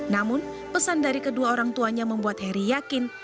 namun pesan dari kedua orang tuanya membuat heri yakin